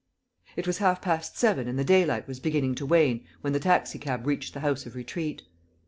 It was half past seven and the daylight was beginning to wane when the taxi cab reached the House of Retreat.